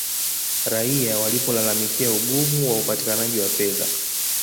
raia walipolalamikia ugumu wa upatikanaji wa fedha